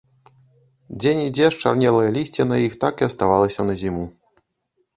Дзе-нідзе счарнелае лісце на іх так і аставалася на зіму.